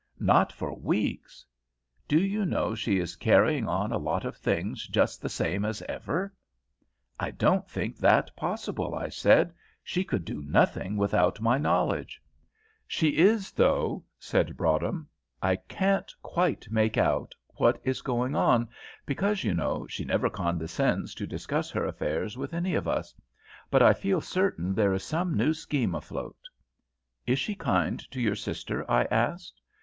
"Not for weeks." "Do you know she is carrying on a lot of things just the same as ever?" "I don't think that possible," I said; "she could do nothing without my knowledge." "She is, though," said Broadhem; "I can't quite make out what is going on, because, you know, she never condescends to discuss her affairs with any of us; but I feel certain there is some new scheme afloat." "Is she kind to your sister?" I asked.